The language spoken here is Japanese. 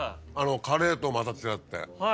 カレーとはまた違って。